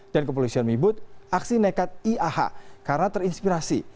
dan kepolisian mibut aksi nekat iaah karena terinspirasi